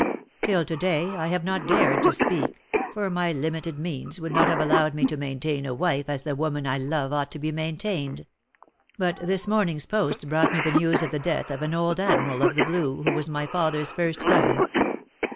Till to day I have not dared to speak, for my limited means would not have allowed me to maintain a wife as the woman I love ought to be maintained; but this morning 's post brought me the news of the death of an old Admiral of the Blue, who was my father's first cousin.